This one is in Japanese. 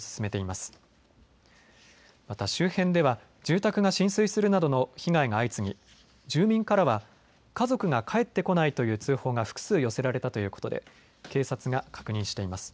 また周辺では住宅が浸水するなどの被害が相次ぎ、住民からは家族が帰ってこないという通報が複数寄せられたということで警察が確認しています。